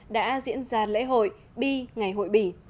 đã diễn ra lễ hội bi ngày hội bỉ